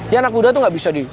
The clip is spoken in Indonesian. ya anak muda tuh gak bisa di